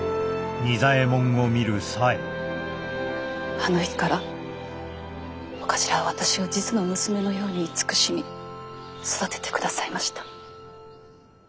あの日からお頭は私を実の娘のように慈しみ育ててくださいました。